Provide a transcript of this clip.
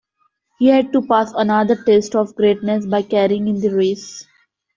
He had to pass another test of greatness by carrying in the race.